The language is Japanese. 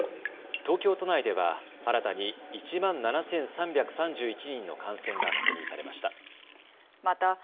東京都内では新たに１万７３３１人の感染が確認されました。